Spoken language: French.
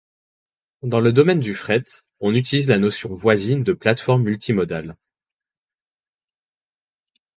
Dans le domaine du fret, on utilise la notion voisine de plate-forme multimodale.